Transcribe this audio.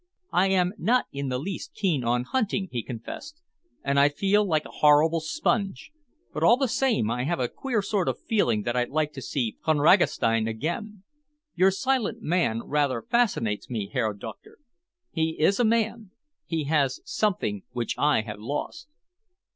"I am not in the least keen on hunting," he confessed, "and I feel like a horrible sponge, but all the same I have a queer sort of feeling that I'd like to see Von Ragastein again. Your silent chief rather fascinates me, Herr Doctor. He is a man. He has something which I have lost."